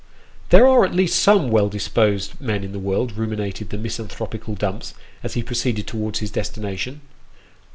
" There are at least some well disposed men in the world," ruminated the misanthropical Dumps, as he proceeed towards his destination.